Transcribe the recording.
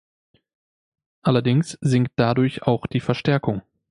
Allerdings sinkt dadurch auch die Verstärkung.